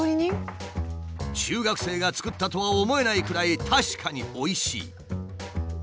中学生が作ったとは思えないくらい確かにおいしい。